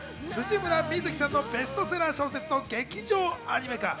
辻村深月さんのベストセラー小説の劇場アニメ化。